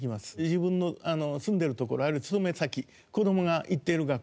自分の住んでるところあるいは勤め先子供が行っている学校。